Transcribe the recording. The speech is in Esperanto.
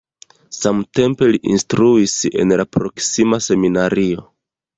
Samtempe li instruis en la proksima seminario.